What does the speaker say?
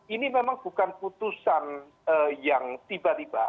ini memang bukan putusan yang tiba tiba